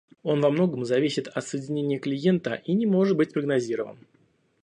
Он во многом зависит от соединения клиента и не может быть спрогнозирован